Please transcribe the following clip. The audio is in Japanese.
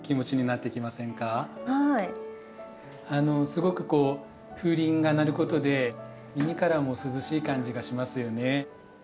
すごくこう風鈴が鳴ることで耳からも涼しい感じがしますよね。